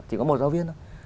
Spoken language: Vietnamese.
chỉ có một giáo viên thôi